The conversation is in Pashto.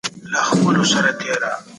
هيڅوک حق نه لري چي د بل مال په زور واخلي.